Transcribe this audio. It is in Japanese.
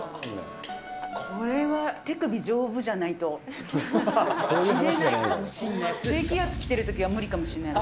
これは、手首丈夫じゃないと切れないかもしれない。